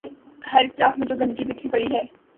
ہر اطراف میں جو گندگی بکھری پڑی ہے۔